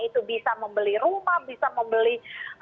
itu bisa membeli rumah bisa membeli